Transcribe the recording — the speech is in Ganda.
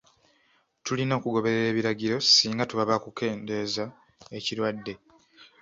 Tulina okugoberera ebiragiro singa tuba ab'okukendeeza ekirwadde.